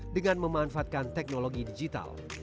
dengan memanfaatkan teknologi digital